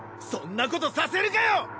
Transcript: そんなことさせるかよ！